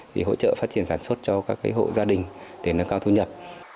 thì hỗ trợ phát triển sản xuất cho các hộ gia đình để nâng cao thu nhập